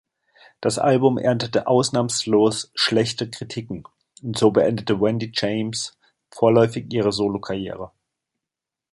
Das Album erntete ausnahmslos schlechte Kritiken, und so beendete Wendy James vorläufig ihre Solokarriere.